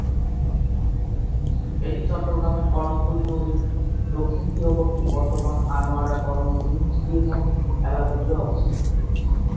এটি চট্টগ্রামের কর্ণফুলী নদীর দক্ষিণ তীরবর্তী বর্তমান আনোয়ারা-কর্ণফুলী বিস্তীর্ণ এলাকা জুড়ে অবস্থিত।